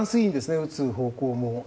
打つ方向も。